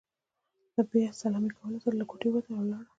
له بیا سلامۍ کولو سره له کوټې ووتل، او لاړل.